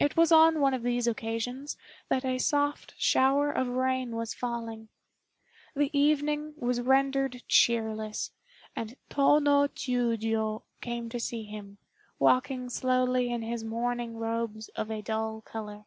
It was on one of these occasions that a soft shower of rain was falling. The evening was rendered cheerless, and Tô no Chiûjiô came to see him, walking slowly in his mourning robes of a dull color.